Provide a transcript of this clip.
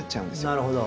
なるほど。